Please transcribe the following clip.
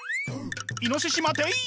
「イノシシ待てい！」。